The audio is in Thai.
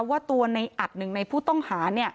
ว่าตัวในอัดหนึ่งในผู้ต้องหา